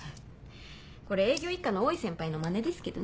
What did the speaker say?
これ営業一課の大井先輩のマネですけどね。